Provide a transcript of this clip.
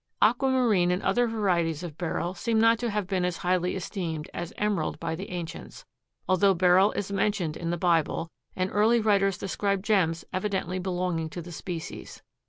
Aquamarine and other varieties of Beryl seem not to have been as highly esteemed as emerald by the ancients, although Beryl is mentioned in the Bible, and early writers describe gems evidently belonging to the species.